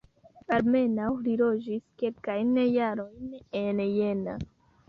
Almenaŭ li loĝis kelkajn jarojn en Jena.